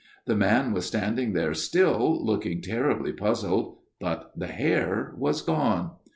" The man was standing there still, looking terribly puzzled, but the hare was gone.